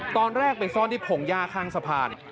ตอนแรกไปซ่อนที่พงหญ้าข้างสะพาน